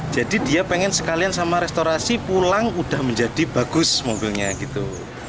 jadi dia pengen sekalian sama restorasi pulang udah menjadi bagus mobilnya gitu